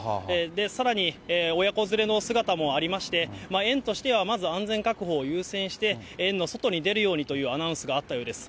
さらに、親子連れの姿もありまして、園としてはまず安全確保を優先して、園の外に出るようにというアナウンスがあったようです。